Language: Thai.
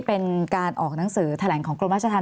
เป็นการออกหนังสือแถลงของกรมราชธรรม